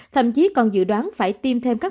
thậm chí còn dự đoán phải tiêm thêm các